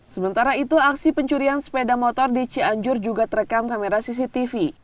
sementara itu aksi pencurian sepeda motor di cianjur juga terekam kamera cctv